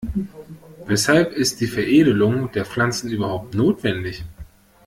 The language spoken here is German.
Weshalb ist die Veredelung der Pflanzen überhaupt notwendig?